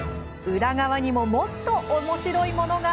裏側にももっとおもしろいものが。